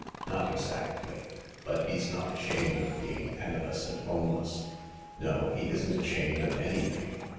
"Not exactly, but he's not ashamed of being penniless and homeless." "No, he isn't ashamed of anything.